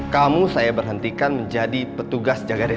kamu saya berhentikan menjadi petugas jaga